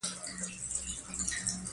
تاریخ د یوې کورنۍ په شان دی.